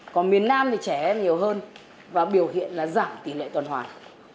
còn miền nam thì trẻ em nhiều hơn và biểu hiện là giảm tỷ lệ tuần hoàn